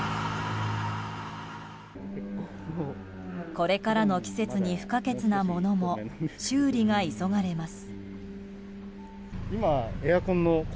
これからの季節に不可欠なものも修理が急がれます。